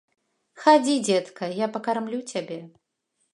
Хадзі, дзетка, я пакармлю цябе.